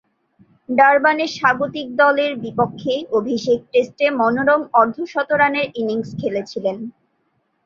ডারবানে স্বাগতিক দলের বিপক্ষে অভিষেক টেস্টে মনোরম অর্ধ-শতরানের ইনিংস খেলেছিলেন।